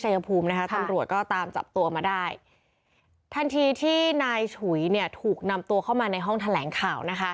ตำรวจก็ตามจับตัวมาได้ทันทีที่นายฉุยเนี่ยถูกนำตัวเข้ามาในห้องแถลงข่าวนะคะ